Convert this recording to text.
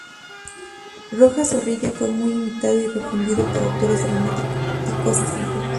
Rojas Zorrilla fue muy imitado y refundido por autores dramáticos extranjeros.